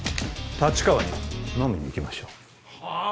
立川に飲みに行きましょうはあ？